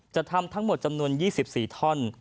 ทำทั้งหมดจำนวน๒๔ท่อน